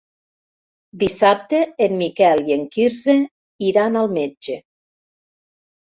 Dissabte en Miquel i en Quirze iran al metge.